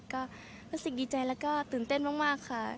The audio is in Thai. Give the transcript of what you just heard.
ก็รู้สึกดีใจแล้วก็ตื่นเต้นมากค่ะ